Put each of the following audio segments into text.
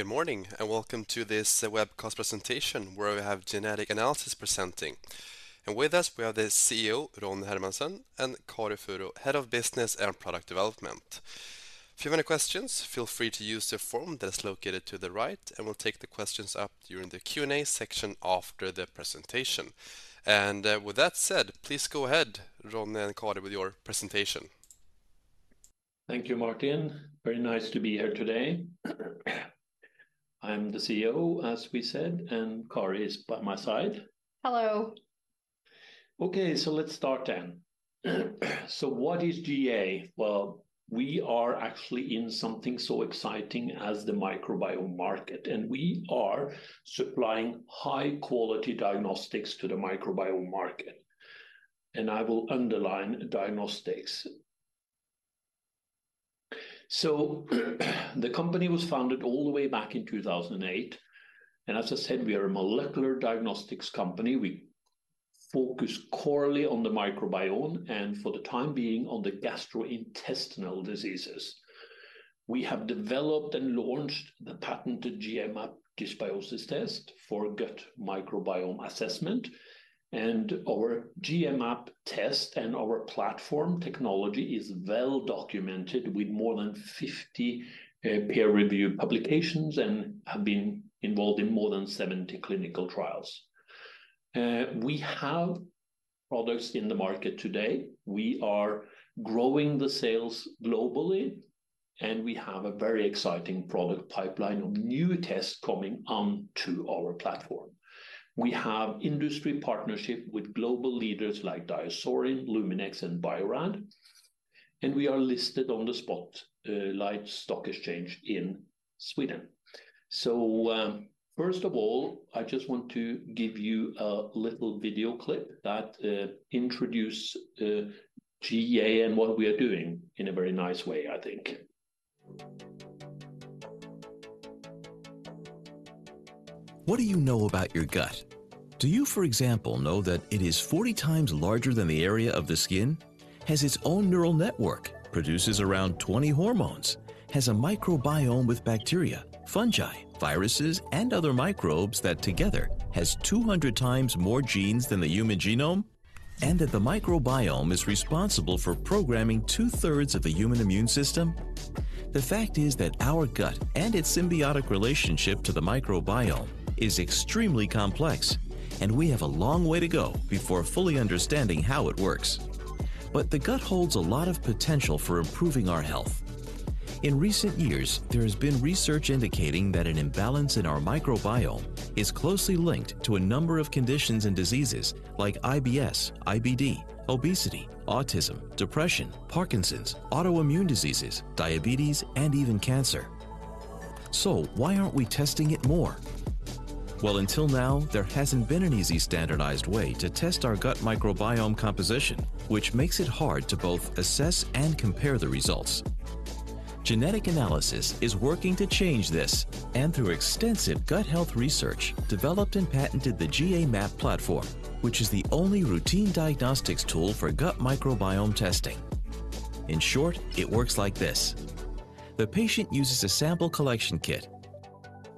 Good morning, and welcome to this webcast presentation, where we have Genetic Analysis presenting. And with us, we have the CEO, Ronny Hermansen, and Kari Furu, Head of Business and Product Development. If you have any questions, feel free to use the form that's located to the right, and we'll take the questions up during the Q&A section after the presentation. And, with that said, please go ahead, Ronny and Kari, with your presentation. Thank you, Martin. Very nice to be here today. I'm the CEO, as we said, and Kari is by my side. Hello. Okay, so let's start then. So what is GA? Well, we are actually in something so exciting as the microbiome market, and we are supplying high-quality diagnostics to the microbiome market, and I will underline diagnostics. So, the company was founded all the way back in 2008, and as I said, we are a molecular diagnostics company. We focus corely on the microbiome, and for the time being, on the gastrointestinal diseases. We have developed and launched the patented GA-map Dysbiosis Test for gut microbiome assessment, and our GA-map test and our platform technology is well documented, with more than 50 peer-reviewed publications, and have been involved in more than 70 clinical trials. We have products in the market today. We are growing the sales globally, and we have a very exciting product pipeline of new tests coming onto our platform. We have industry partnership with global leaders like DiaSorin, Luminex, and Bio-Rad, and we are listed on the Spotlight Stock Exchange in Sweden. So, first of all, I just want to give you a little video clip that introduce GA and what we are doing in a very nice way, I think. What do you know about your gut? Do you, for example, know that it is 40x larger than the area of the skin, has its own neural network, produces around 20 hormones, has a microbiome with bacteria, fungi, viruses, and other microbes that together has 200x more genes than the human genome? And that the microbiome is responsible for programming 2/3 of the human immune system? The fact is that our gut and its symbiotic relationship to the microbiome is extremely complex, and we have a long way to go before fully understanding how it works. But the gut holds a lot of potential for improving our health. In recent years, there has been research indicating that an imbalance in our microbiome is closely linked to a number of conditions and diseases like IBS, IBD, obesity, autism, depression, Parkinson's, autoimmune diseases, diabetes, and even cancer. So why aren't we testing it more? Well, until now, there hasn't been an easy, standardized way to test our gut microbiome composition, which makes it hard to both assess and compare the results. Genetic Analysis is working to change this, and through extensive gut health research, developed and patented the GA-map platform, which is the only routine diagnostics tool for gut microbiome testing. In short, it works like this: The patient uses a sample collection kit.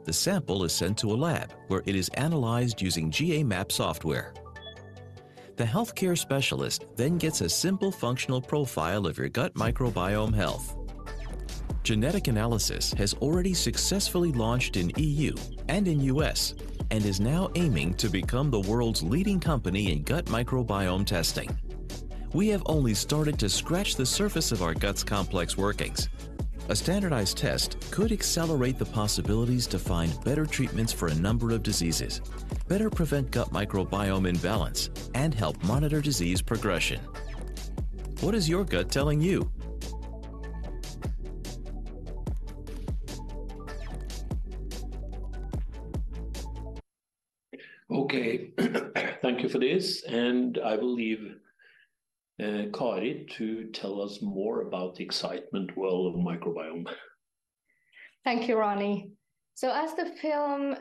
The sample is sent to a lab, where it is analyzed using GA-map software. The healthcare specialist then gets a simple functional profile of your gut microbiome health. Genetic Analysis has already successfully launched in EU and in U.S., and is now aiming to become the world's leading company in gut microbiome testing. We have only started to scratch the surface of our gut's complex workings. A standardized test could accelerate the possibilities to find better treatments for a number of diseases, better prevent gut microbiome imbalance, and help monitor disease progression. What is your gut telling you? Okay. Thank you for this, and I will leave Kari to tell us more about the exciting world of microbiome. Thank you, Ronny. So as the film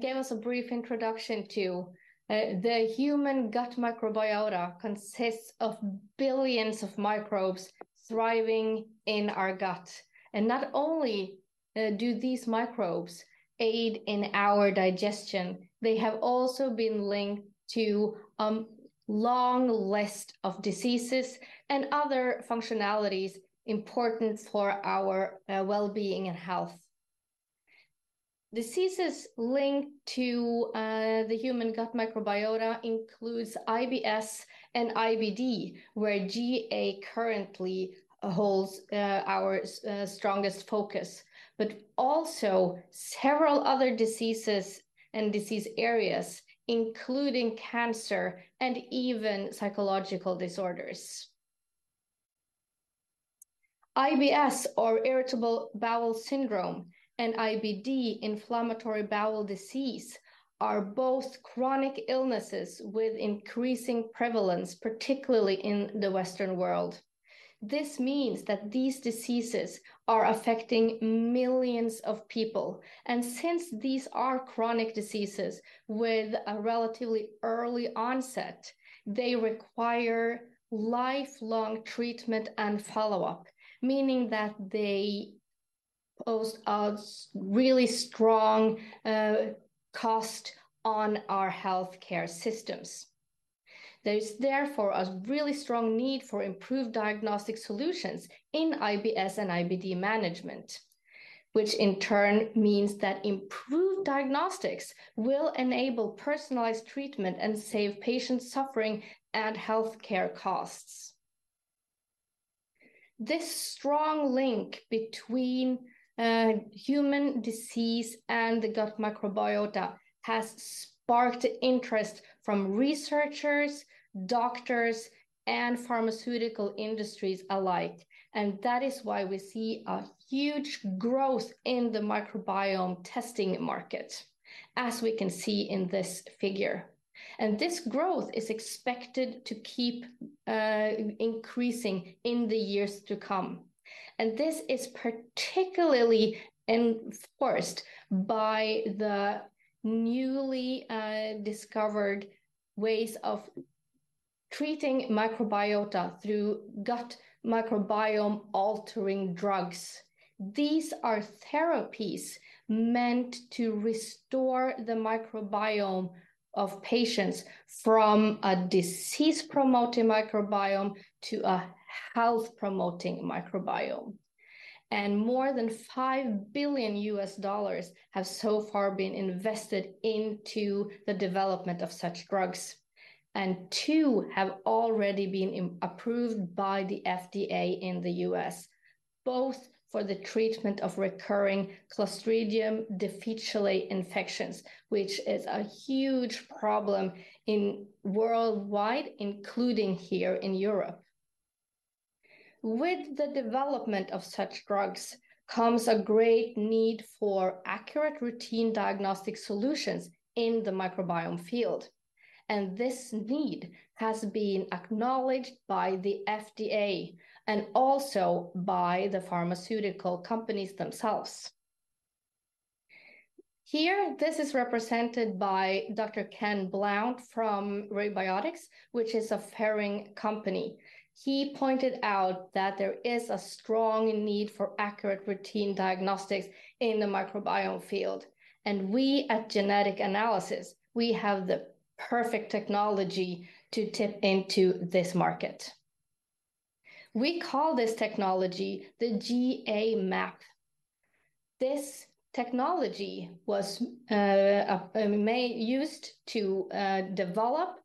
gave us a brief introduction to the human gut microbiota consists of billions of microbes thriving in our gut. And not only do these microbes aid in our digestion, they have also been linked to long list of diseases and other functionalities important for our well-being and health. Diseases linked to the human gut microbiota includes IBS and IBD, where GA currently holds our strongest focus, but also several other diseases and disease areas, including cancer and even psychological disorders. IBS, or irritable bowel syndrome, and IBD, inflammatory bowel disease, are both chronic illnesses with increasing prevalence, particularly in the Western world. This means that these diseases are affecting millions of people, and since these are chronic diseases with a relatively early onset, they require lifelong treatment and follow-up, meaning that they-... Impose a really strong cost on our healthcare systems. There is therefore a really strong need for improved diagnostic solutions in IBS and IBD management, which in turn means that improved diagnostics will enable personalized treatment and save patient suffering and healthcare costs. This strong link between human disease and the gut microbiota has sparked interest from researchers, doctors, and pharmaceutical industries alike, and that is why we see a huge growth in the microbiome testing market, as we can see in this figure. This growth is expected to keep increasing in the years to come. This is particularly enforced by the newly discovered ways of treating microbiota through gut microbiome-altering drugs. These are therapies meant to restore the microbiome of patients from a disease-promoting microbiome to a health-promoting microbiome. More than $5 billion have so far been invested into the development of such drugs, and two have already been approved by the FDA in the U.S., both for the treatment of recurring Clostridium difficile infections, which is a huge problem worldwide, including here in Europe. With the development of such drugs comes a great need for accurate routine diagnostic solutions in the microbiome field, and this need has been acknowledged by the FDA and also by the pharmaceutical companies themselves. Here, this is represented by Dr. Ken Blount from Rebiotix, which is a Ferring company. He pointed out that there is a strong need for accurate routine diagnostics in the microbiome field, and we at Genetic Analysis, we have the perfect technology to tip into this market. We call this technology the GA-map. This technology was used to develop,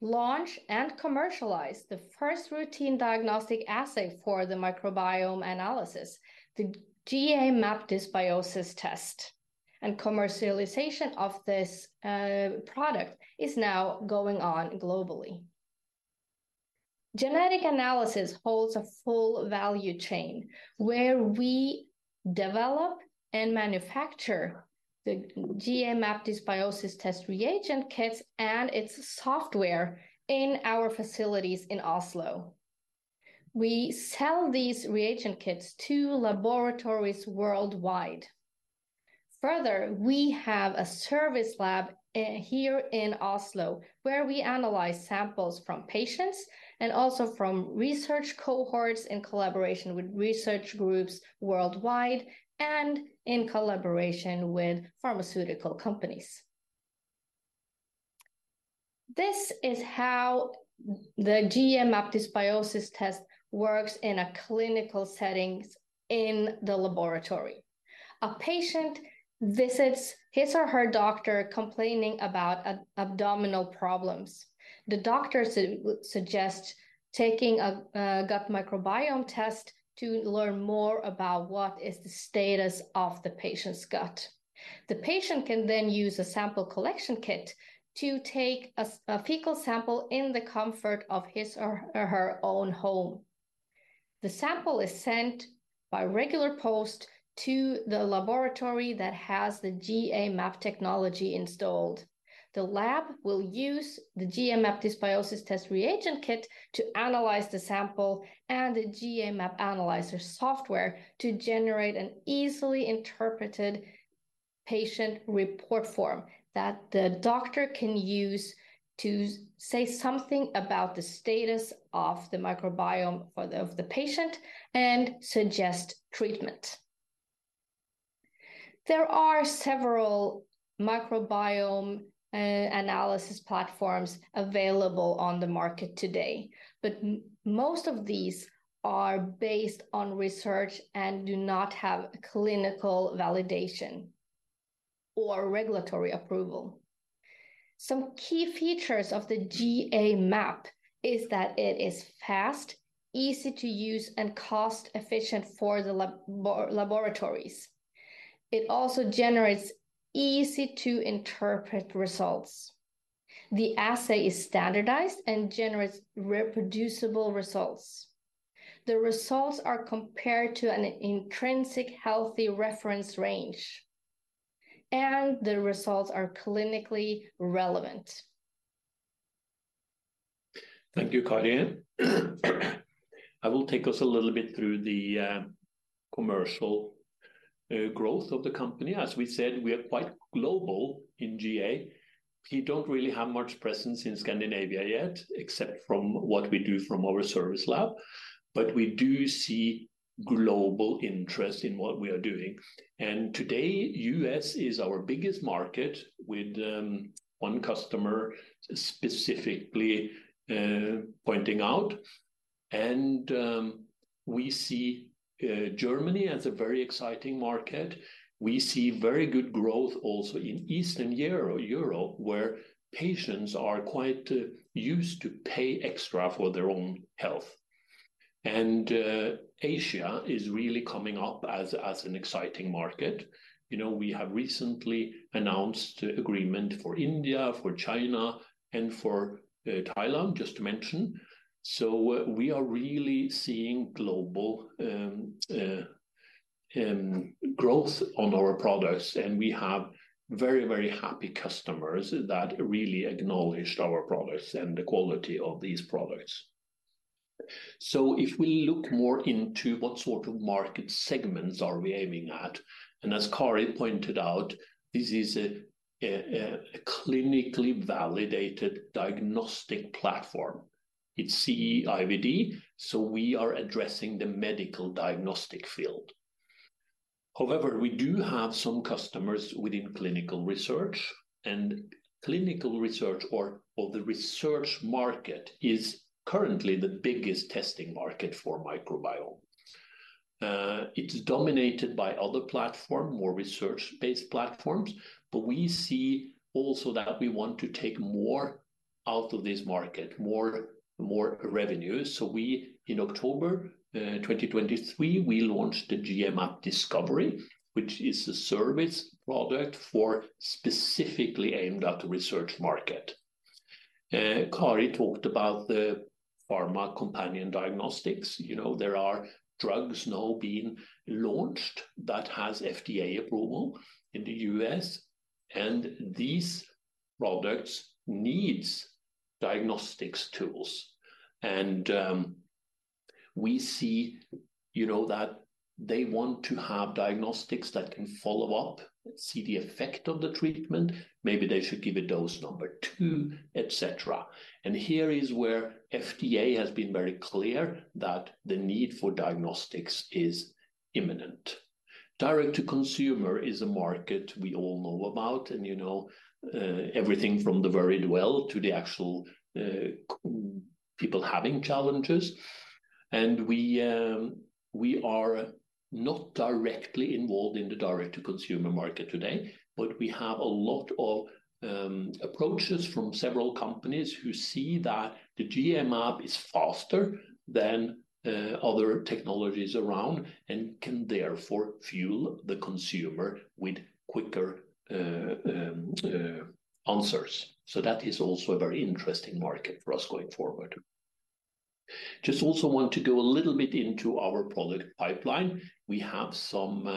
launch, and commercialize the first routine diagnostic assay for the microbiome analysis, the GA-map Dysbiosis Test. Commercialization of this product is now going on globally. Genetic Analysis holds a full value chain, where we develop and manufacture the GA-map Dysbiosis Test reagent kits and its software in our facilities in Oslo. We sell these reagent kits to laboratories worldwide. Further, we have a service lab here in Oslo, where we analyze samples from patients and also from research cohorts in collaboration with research groups worldwide and in collaboration with pharmaceutical companies. This is how the GA-map Dysbiosis Test works in a clinical settings in the laboratory. A patient visits his or her doctor complaining about abdominal problems. The doctor suggests taking a gut microbiome test to learn more about what is the status of the patient's gut. The patient can then use a sample collection kit to take a fecal sample in the comfort of his or her own home. The sample is sent by regular post to the laboratory that has the GA-map technology installed. The lab will use the GA-map Dysbiosis Test reagent kit to analyze the sample and the GA-map Analyzer software to generate an easily interpreted patient report form that the doctor can use to say something about the status of the microbiome for the, of the patient and suggest treatment. There are several microbiome analysis platforms available on the market today, but most of these are based on research and do not have clinical validation or regulatory approval. Some key features of the GA-map is that it is fast, easy to use, and cost-efficient for the laboratories. It also generates easy-to-interpret results. The assay is standardized and generates reproducible results. The results are compared to an intrinsic healthy reference range, and the results are clinically relevant. Thank you, Kari. I will take us a little bit through the commercial growth of the company. As we said, we are quite global in GA. We don't really have much presence in Scandinavia yet, except from what we do from our service lab. But we do see global interest in what we are doing. And today, U.S. is our biggest market with one customer specifically pointing out. And we see Germany as a very exciting market. We see very good growth also in Eastern Europe, where patients are quite used to pay extra for their own health. And Asia is really coming up as an exciting market. You know, we have recently announced agreement for India, for China, and for Thailand, just to mention. So we are really seeing global growth on our products, and we have very, very happy customers that really acknowledged our products and the quality of these products. So if we look more into what sort of market segments are we aiming at, and as Kari pointed out, this is a clinically validated diagnostic platform. It's CE-IVD, so we are addressing the medical diagnostic field. However, we do have some customers within clinical research, and clinical research or the research market is currently the biggest testing market for microbiome. It's dominated by other platform, more research-based platforms, but we see also that we want to take more out of this market, more revenues. So we, in October 2023, we launched the GA-map Discovery, which is a service product for specifically aimed at the research market. Kari talked about the pharma companion diagnostics. You know, there are drugs now being launched that has FDA approval in the U.S., and these products needs diagnostics tools. We see, you know, that they want to have diagnostics that can follow up, see the effect of the treatment. Maybe they should give a dose number two, et cetera. And here is where FDA has been very clear that the need for diagnostics is imminent. Direct to consumer is a market we all know about, and you know, everything from the very well to the actual people having challenges. We are not directly involved in the direct-to-consumer market today, but we have a lot of approaches from several companies who see that the GA-map is faster than other technologies around and can therefore fuel the consumer with quicker answers. So that is also a very interesting market for us going forward. Just also want to go a little bit into our product pipeline. We have some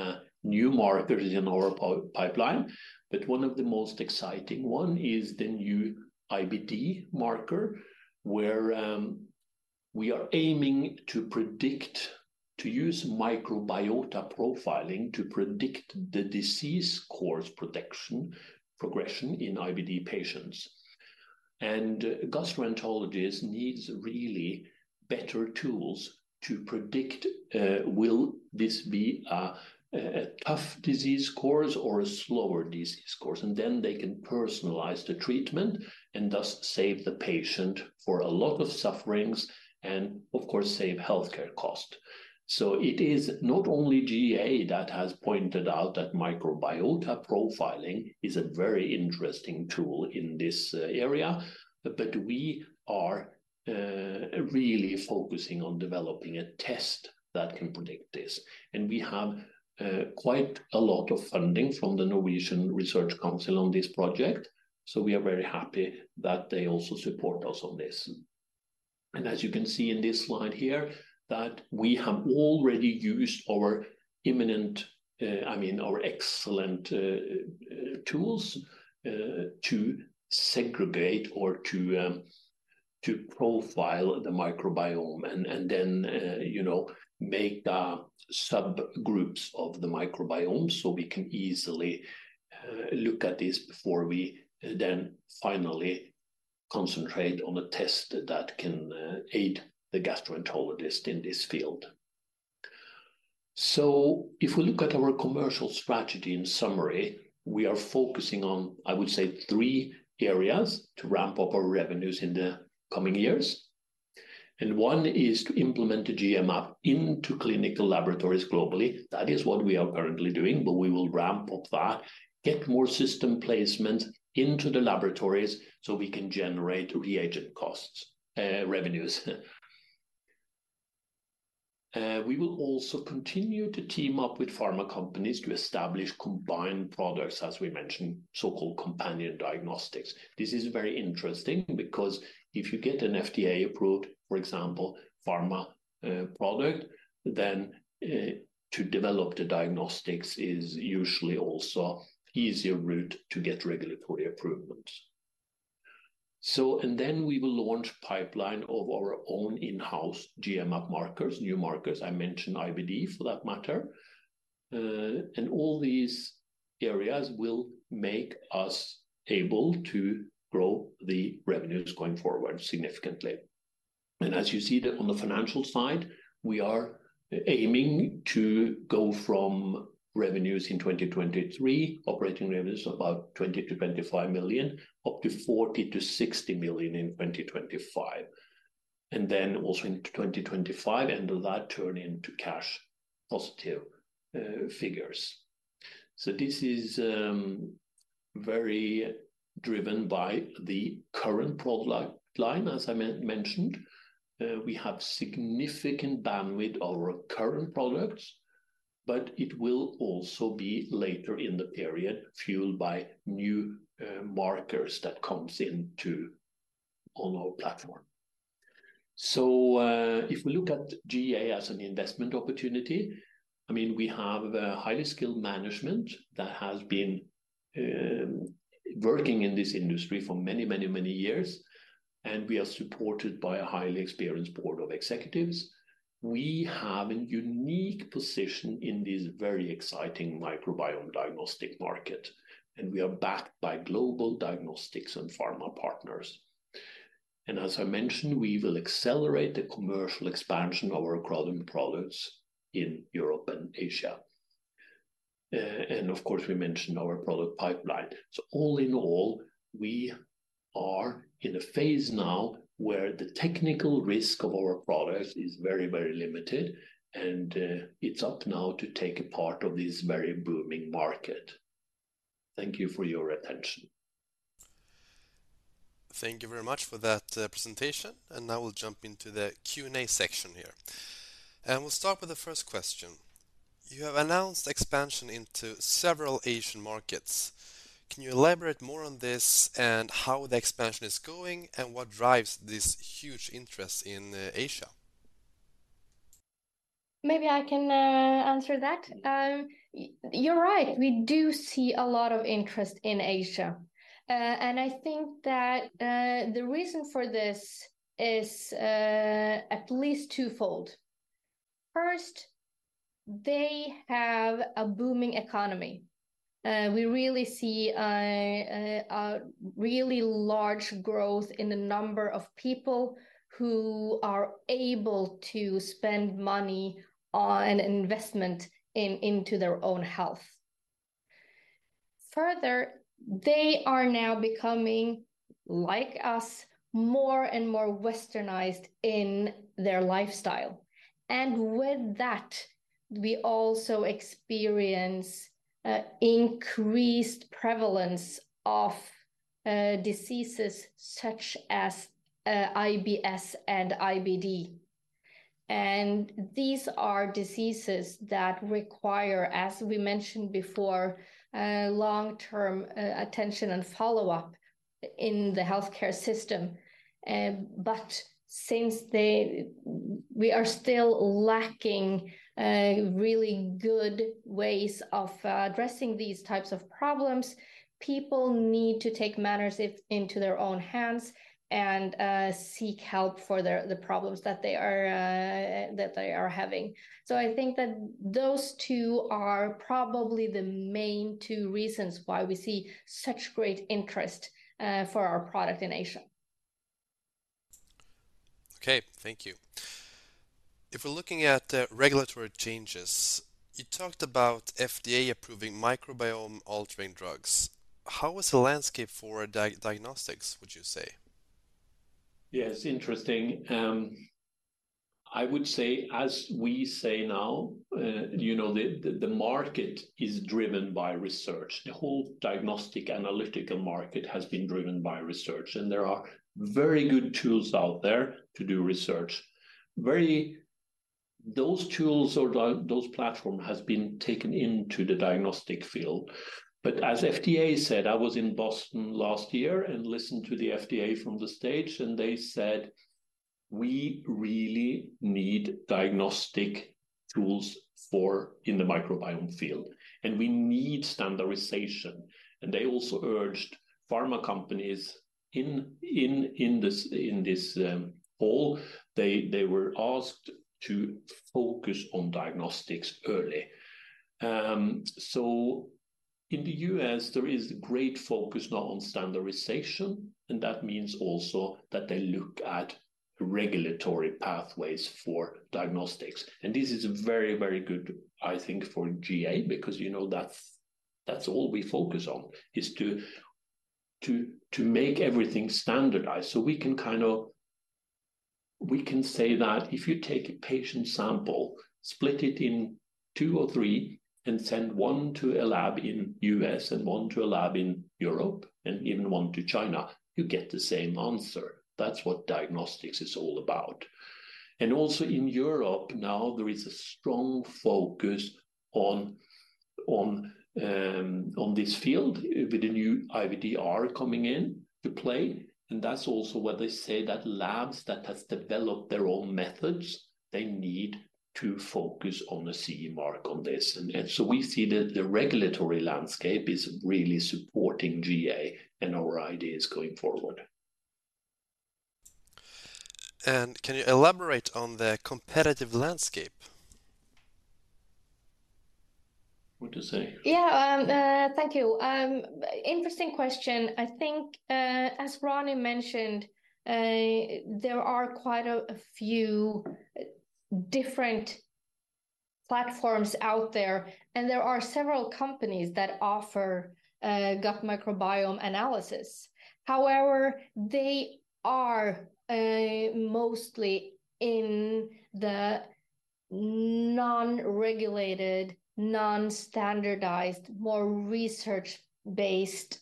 new markers in our pipeline, but one of the most exciting one is the new IBD marker, where we are aiming to predict, to use microbiota profiling to predict the disease course protection, progression in IBD patients. Gastroenterologist needs really better tools to predict, will this be a, a tough disease course or a slower disease course? Then they can personalize the treatment and thus save the patient for a lot of sufferings and of course, save healthcare cost. It is not only GA that has pointed out that microbiota profiling is a very interesting tool in this area, but we are really focusing on developing a test that can predict this. We have quite a lot of funding from the Research Council of Norway on this project, so we are very happy that they also support us on this. As you can see in this slide here, that we have already used our imminent, I mean, our excellent tools to segregate or to profile the microbiome and then, you know, make subgroups of the microbiome so we can easily look at this before we then finally concentrate on a test that can aid the gastroenterologist in this field. So if we look at our commercial strategy in summary, we are focusing on, I would say, three areas to ramp up our revenues in the coming years. One is to implement the GA-map into clinical laboratories globally. That is what we are currently doing, but we will ramp up that, get more system placement into the laboratories so we can generate reagent costs revenues. We will also continue to team up with pharma companies to establish combined products, as we mentioned, so-called companion diagnostics. This is very interesting because if you get an FDA-approved, for example, pharma product, then to develop the diagnostics is usually also easier route to get regulatory approval. So and then we will launch pipeline of our own in-house GA-map markers, new markers, I mentioned IBD, for that matter. And all these areas will make us able to grow the revenues going forward significantly. And as you see that on the financial side, we are aiming to go from revenues in 2023, operating revenues of about 20 million-25 million, up to 40 million-60 million in 2025. And then also in 2025, and that turn into cash positive figures. So this is very driven by the current product line. As I mentioned, we have significant bandwidth of our current products, but it will also be later in the period, fueled by new markers that comes into on our platform. So, if we look at GA as an investment opportunity, I mean, we have a highly skilled management that has been working in this industry for many, many, many years, and we are supported by a highly experienced board of executives. We have a unique position in this very exciting microbiome diagnostic market, and we are backed by global diagnostics and pharma partners. And as I mentioned, we will accelerate the commercial expansion of our growing products in Europe and Asia. And of course, we mentioned our product pipeline. So all in all, we are in a phase now where the technical risk of our products is very, very limited, and, it's up now to take a part of this very booming market. Thank you for your attention. Thank you very much for that, presentation. And now we'll jump into the Q&A section here. And we'll start with the first question. You have announced expansion into several Asian markets. Can you elaborate more on this and how the expansion is going, and what drives this huge interest in Asia? Maybe I can answer that. You're right, we do see a lot of interest in Asia. And I think that the reason for this is at least twofold. First, they have a booming economy. We really see a really large growth in the number of people who are able to spend money on investment into their own health. Further, they are now becoming, like us, more and more Westernized in their lifestyle. And with that, we also experience increased prevalence of diseases such as IBS and IBD. And these are diseases that require, as we mentioned before, long-term attention and follow-up in the healthcare system. But since we are still lacking really good ways of addressing these types of problems, people need to take matters into their own hands and seek help for their problems that they are having. So I think that those two are probably the main two reasons why we see such great interest for our product in Asia. Okay, thank you. If we're looking at the regulatory changes, you talked about FDA approving microbiome-altering drugs. How is the landscape for diagnostics, would you say? Yes, interesting. I would say, as we say now, you know, the market is driven by research. The whole diagnostic analytical market has been driven by research, and there are very good tools out there to do research. Those tools or those platform has been taken into the diagnostic field. But as FDA said, I was in Boston last year and listened to the FDA from the stage, and they said, "We really need diagnostic tools for in the microbiome field, and we need standardization." And they also urged pharma companies in this hall, they were asked to focus on diagnostics early. So in the U.S., there is great focus now on standardization, and that means also that they look at regulatory pathways for diagnostics. And this is very, very good, I think, for GA, because, you know, that's all we focus on, is to make everything standardized. So we can kind of. We can say that if you take a patient sample, split it in two or three, and send one to a lab in U.S. and one to a lab in Europe, and even one to China, you get the same answer. That's what diagnostics is all about. And also in Europe now, there is a strong focus on, on, on this field with the new IVDR coming in to play. And that's also where they say that labs that has developed their own methods, they need to focus on the CE mark on this. And so we see that the regulatory landscape is really supporting GA and our ideas going forward. Can you elaborate on the competitive landscape? What do you say? Yeah, thank you. Interesting question. I think, as Ronny mentioned, there are quite a few different platforms out there, and there are several companies that offer gut microbiome analysis. However, they are mostly in the non-regulated, non-standardized, more research-based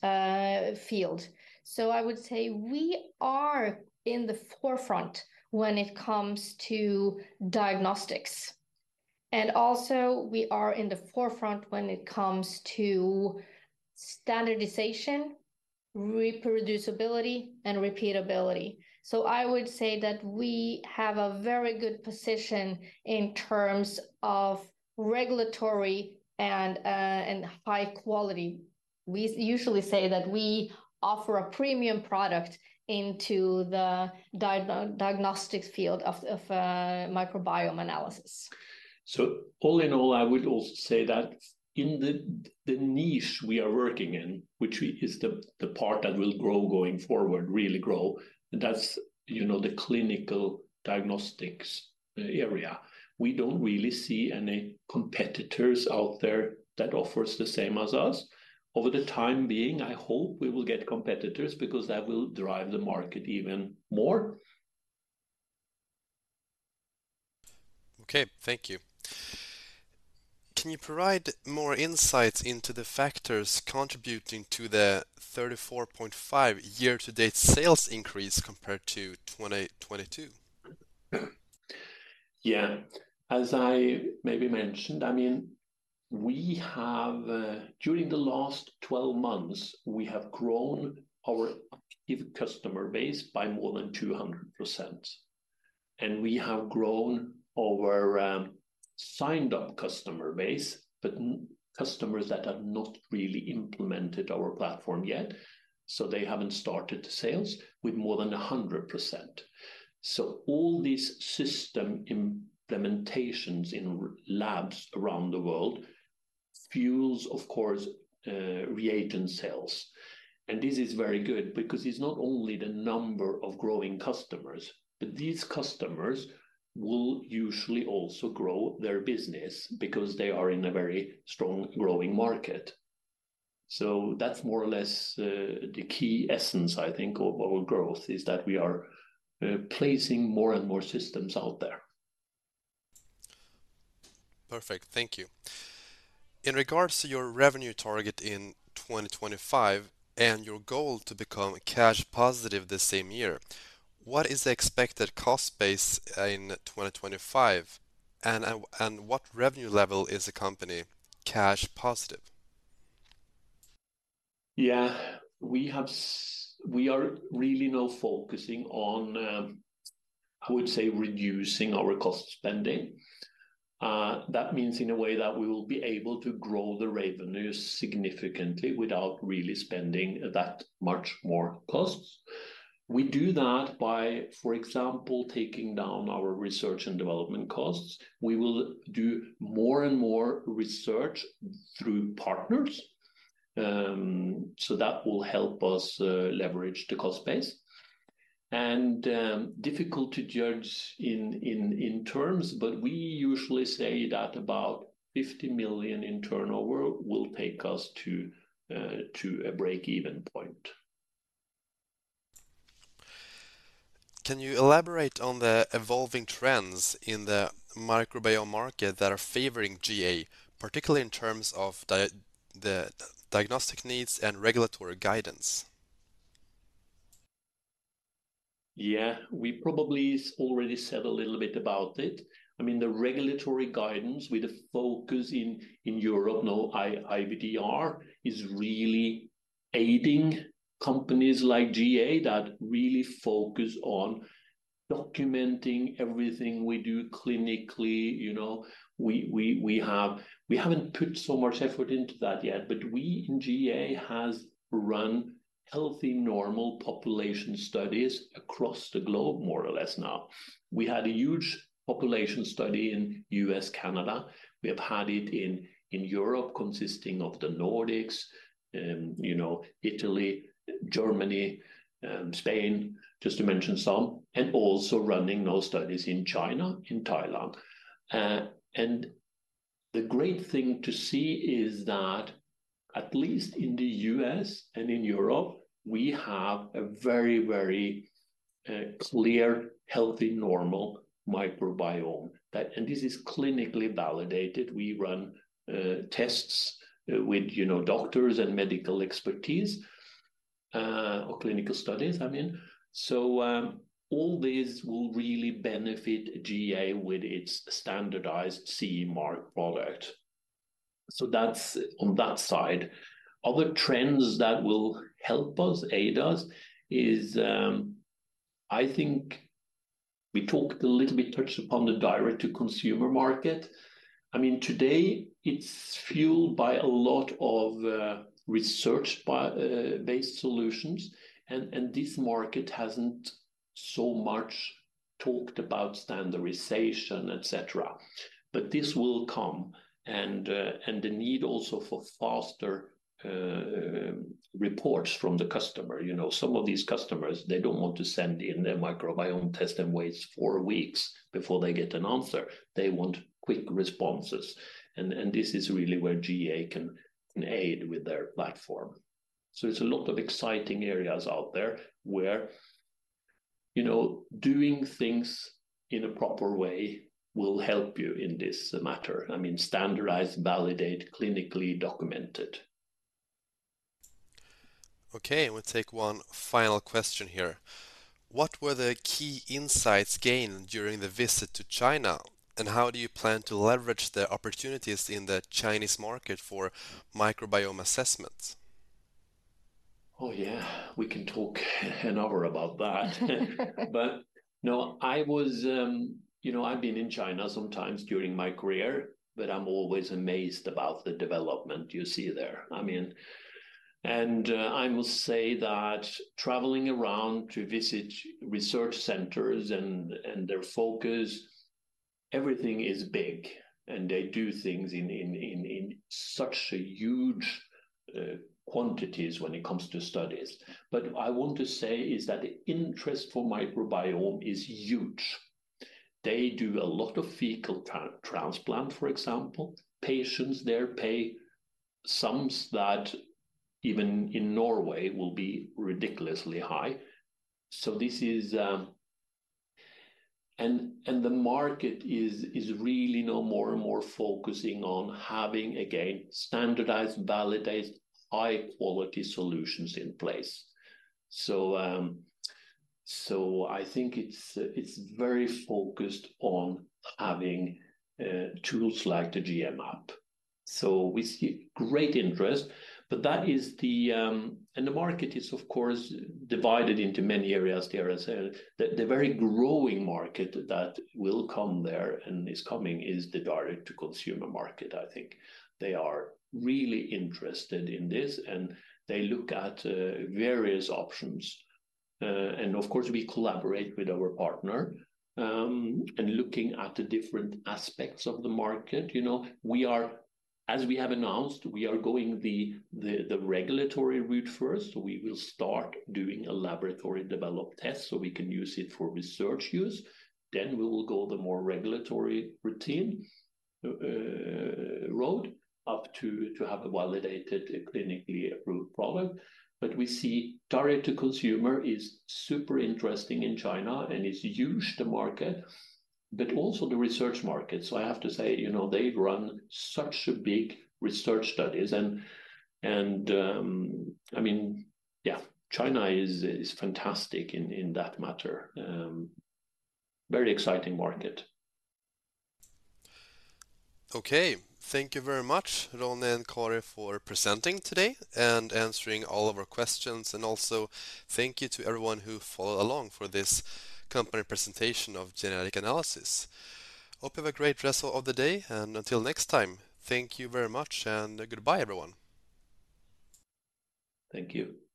field. So I would say we are in the forefront when it comes to diagnostics, and also we are in the forefront when it comes to standardization, reproducibility, and repeatability. So I would say that we have a very good position in terms of regulatory and high quality. We usually say that we offer a premium product into the diagnostics field of microbiome analysis. All in all, I would also say that in the niche we are working in, which is the part that will grow going forward, really grow, that's, you know, the clinical diagnostics area. We don't really see any competitors out there that offers the same as us. Over the time being, I hope we will get competitors because that will drive the market even more. Okay, thank you. Can you provide more insights into the factors contributing to the 34.5% year-to-date sales increase compared to 2022? Yeah. As I maybe mentioned, I mean, we have, during the last 12 months, we have grown our active customer base by more than 200%, and we have grown our signed-up customer base, but customers that have not really implemented our platform yet, so they haven't started the sales, with more than 100%. So all these system implementations in labs around the world fuels, of course, reagent sales. And this is very good because it's not only the number of growing customers, but these customers will usually also grow their business because they are in a very strong growing market. So that's more or less the key essence, I think, of our growth, is that we are placing more and more systems out there. Perfect. Thank you. In regards to your revenue target in 2025 and your goal to become cash positive the same year, what is the expected cost base in 2025, and what revenue level is the company cash positive? Yeah. We are really now focusing on, I would say, reducing our cost spending. That means in a way that we will be able to grow the revenue significantly without really spending that much more costs. We do that by, for example, taking down our research and development costs. We will do more and more research through partners. So that will help us leverage the cost base. And difficult to judge in terms, but we usually say that about 50 million in turnover will take us to a break-even point. Can you elaborate on the evolving trends in the microbiome market that are favoring GA, particularly in terms of the diagnostic needs and regulatory guidance? Yeah, we probably already said a little bit about it. I mean, the regulatory guidance with a focus in, in Europe, now, IVDR, is really aiding companies like GA that really focus on documenting everything we do clinically, you know. We have-- we haven't put so much effort into that yet, but we in GA has run healthy, normal population studies across the globe, more or less now. We had a huge population study in U.S., Canada. We have had it in, in Europe, consisting of the Nordics, you know, Italy, Germany, Spain, just to mention some, and also running those studies in China, in Thailand. And the great thing to see is that at least in the U.S. and in Europe, we have a very, very clear, healthy, normal microbiome. That and this is clinically validated. We run tests with, you know, doctors and medical expertise, or clinical studies, I mean. So, all this will really benefit GA with its standardized CE mark product. So that's on that side. Other trends that will help us, aid us, is, I think we talked a little bit, touched upon the direct-to-consumer market. I mean, today it's fueled by a lot of, research by, based solutions, and, and this market hasn't so much talked about standardization, et cetera. But this will come, and, and the need also for faster, reports from the customer. You know, some of these customers, they don't want to send in their microbiome test and waits four weeks before they get an answer. They want quick responses, and, and this is really where GA can aid with their platform. It's a lot of exciting areas out there where, you know, doing things in a proper way will help you in this matter. I mean, standardized, validated, clinically documented. Okay, we'll take one final question here. What were the key insights gained during the visit to China, and how do you plan to leverage the opportunities in the Chinese market for microbiome assessments? Oh, yeah, we can talk an hour about that. But no, I was... You know, I've been in China sometimes during my career, but I'm always amazed about the development you see there. I mean, and I will say that traveling around to visit research centers and their focus, everything is big, and they do things in such a huge quantities when it comes to studies. But I want to say is that the interest for microbiome is huge. They do a lot of fecal transplant, for example. Patients there pay sums that even in Norway will be ridiculously high. So this is... And the market is really now more and more focusing on having, again, standardized, validated, high-quality solutions in place. So, so I think it's very focused on having tools like the GA-map. So we see great interest, but that is the. The market is of course divided into many areas. There are the very growing market that will come there and is coming is the direct-to-consumer market. I think they are really interested in this, and they look at various options. And of course, we collaborate with our partner and looking at the different aspects of the market. You know, we are, as we have announced, we are going the regulatory route first. We will start doing a laboratory developed test, so we can use it for research use. Then we will go the more regulatory routine road up to have a validated, clinically approved product. But we see direct-to-consumer is super interesting in China and is huge, the market, but also the research market. So I have to say, you know, they've run such a big research studies and, I mean, yeah, China is fantastic in that matter. Very exciting market. Okay. Thank you very much, Ronny and Kari, for presenting today and answering all of our questions. Also thank you to everyone who followed along for this company presentation of Genetic Analysis. Hope you have a great rest of the day, and until next time, thank you very much, and goodbye, everyone. Thank you.